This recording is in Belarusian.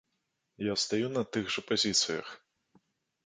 Я стаю на тых жа пазіцыях.